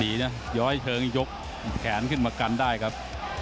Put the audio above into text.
ซีเนี่ยหลอยเฉิงหยกแขนขึ้นมากันได้ครับ